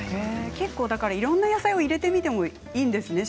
結構だからいろんな野菜を入れてみてもいいんですね